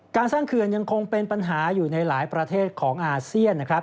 สร้างเขื่อนยังคงเป็นปัญหาอยู่ในหลายประเทศของอาเซียนนะครับ